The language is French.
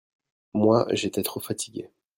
Moi, j'étais trop fatiguée.